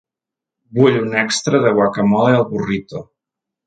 Vull un extra de guacamole al burrito.